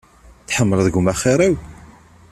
Tḥemmleḍ gma xir-iw?